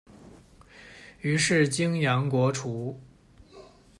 于是泾阳国除。